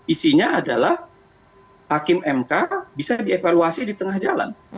isinya adalah hakim mk bisa dievaluasi di tengah jalan